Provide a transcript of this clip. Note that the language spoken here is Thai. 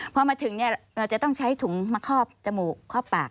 พอมาถึงเราจะต้องใช้ถุงมาคอบจมูกคอบปาก